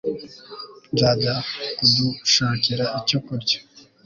nzajya kudushakira icyo kurya